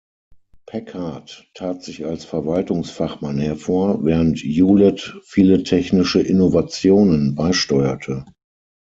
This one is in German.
Packard tat sich als Verwaltungsfachmann hervor, während Hewlett viele technische Innovationen beisteuerte.